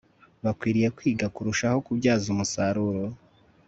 bakwiriye kwiga kurushaho kubyaza umusaruro